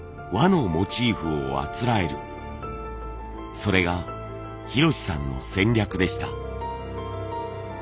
それが博さんの戦略でした。